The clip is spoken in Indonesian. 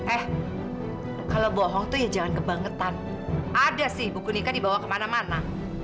eh kalau bohong tuh ya jangan kebangetan ada sih buku nikah dibawa kemana mana